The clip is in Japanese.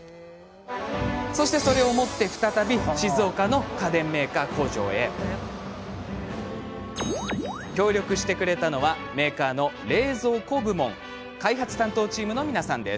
そして、それをまた再び静岡の家電メーカー工場へ協力してくれたのは冷蔵庫部門の開発担当チームの皆さんです。